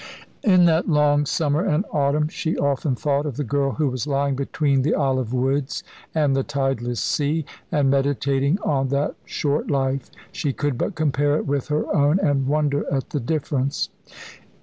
In that long summer and autumn she often thought of the girl who was lying between the olive woods and the tideless sea; and, meditating on that short life, she could but compare it with her own, and wonder at the difference.